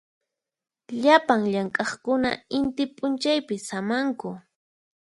Llapan llamk'aqkuna inti p'unchaypi samanku.